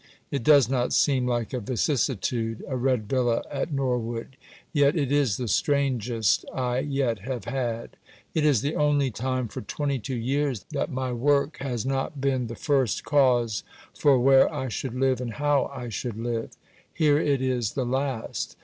It does not seem like a vicissitude: a red villa at Norwood: yet it is the strangest I yet have had. It is the only time for 22 years that my work has not been the first cause for where I should live and how I should live. Here it is the last.